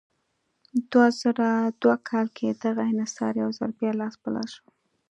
دوه زره دوه کال کې دغه انحصار یو ځل بیا لاس په لاس شو.